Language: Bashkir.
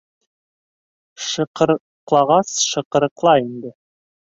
Шыҡырыҡлағас шыҡырыҡлай инде.